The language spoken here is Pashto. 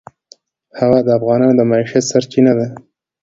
هوا د افغانانو د معیشت سرچینه ده.